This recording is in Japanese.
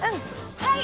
はい！